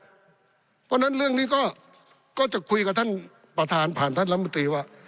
เพราะฉะนั้นเรื่องนี้ก็จะคุยกับท่านประธานผ่านท่านรัฐมนตรีว่า